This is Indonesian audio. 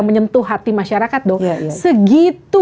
menyentuh hati masyarakat dong segitu